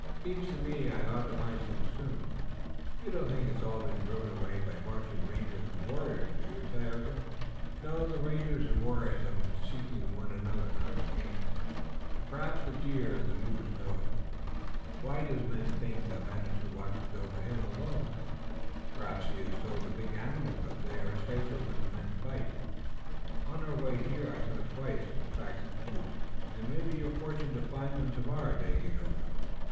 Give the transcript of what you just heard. It seems to me I ought to find it soon. You don't think it's all been driven away by marching rangers and warriors, do you, Tayoga?" "No, the rangers and warriors have been seeking one another, not the game, and perhaps the deer and the moose know it. Why does man think that Manitou watches over him alone? Perhaps He has told the big animals that they are safer when the men fight. On our way here I twice saw the tracks of a moose, and it may be your fortune to find one tomorrow, Dagaeoga."